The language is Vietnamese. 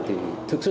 thì thực sự